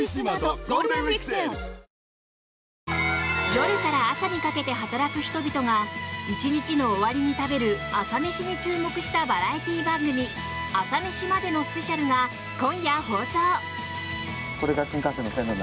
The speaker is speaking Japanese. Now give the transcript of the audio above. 夜から朝にかけて働く人々が１日の終わりに食べる朝メシに注目したバラエティー番組「朝メシまで。」のスペシャルが今夜放送。